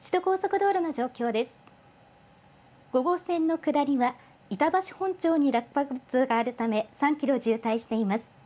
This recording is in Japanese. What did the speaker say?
５号線の下りは板橋本町に落下物があるため、３キロ渋滞しています。